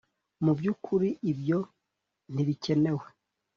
mubyukuri ibyo ntibikenewe.